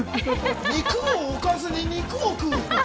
肉をおかずに肉を食う。